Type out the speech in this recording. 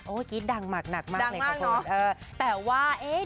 โอ้อีกนี้ดังหมากมากเลยครับคุณเออแต่ว่าเอ๊ะ